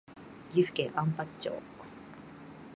岐阜県安八町